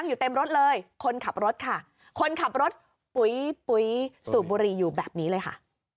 อยู่เต็มรถเลยคนขับรถค่ะสูบบุรีอยู่แบบนี้เลยค่ะ